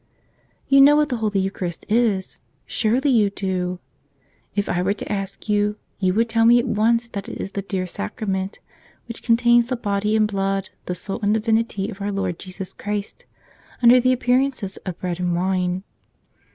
You know what the Holy Eucharist is. Surely you do ! If I were to ask you, you would tell me at once that it is the dear Sacrament which contains the Body and Blood, the Soul and Divinity of Our Lord Jesus Christ, under the appearances of bread and wine.